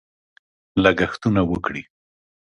لګښتونه وکړي.